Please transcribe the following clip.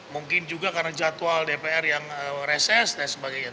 mungkin juga karena jadwal dpr yang reses dan sebagainya